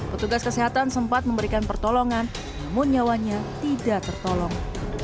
petugas kesehatan sempat memberikan pertolongan namun nyawanya tidak tertolong